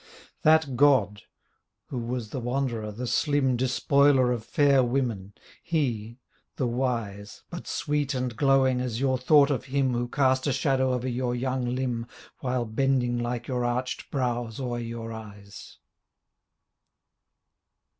That god — who was the wanderer, the slim Despoiler of fair women; he — the wise, — But sweet and glowing as your thought of him Who cast a shadow over your young limb While bending like your arched brows o'er your eyes.